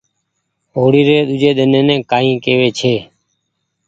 هوڙي ري ۮوجي ۮنين ڪآئي ڪيوي ڇي